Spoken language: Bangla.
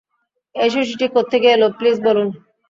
এই শিশুটি কোত্থেকে এলো প্লিজ বলুন।